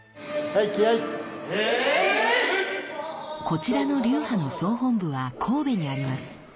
こちらの流派の総本部は神戸にあります。